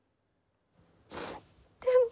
でも！